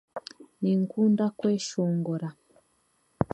Ninkunda kweshongora.